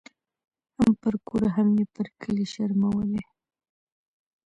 هم پر کور هم یې پر کلي شرمولې